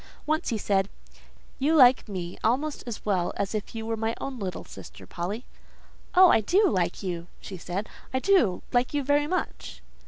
Once he said:—"You like me almost as well as if you were my little sister, Polly." "Oh! I do like you," said she; "I do like you very much."